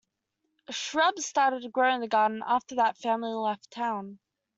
Shrubs started to grow in the garden after that family left town.